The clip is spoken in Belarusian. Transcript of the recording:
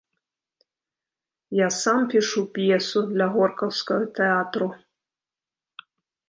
Я сам пішу п'есу для горкаўскага тэатру.